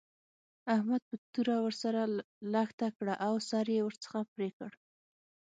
احمد په توره ور سره لښته کړه او سر يې ورڅخه پرې کړ.